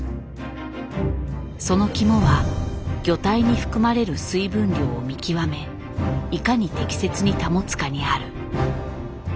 その肝は魚体に含まれる水分量を見極めいかに適切に保つかにある。